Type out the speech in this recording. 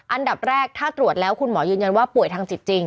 อันดับแรกถ้าตรวจแล้วคุณหมอยืนยันว่าป่วยทางจิตจริง